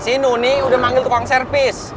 si nuni udah manggil tukang servis